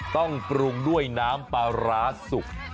ปรุงด้วยน้ำปลาร้าสุก